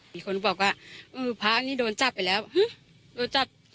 มีคนบอกว่าเออพระนี่โดนจับไปแล้วโดนจับ